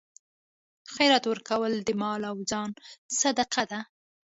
خیرات ورکول د مال او ځان صدقه ده.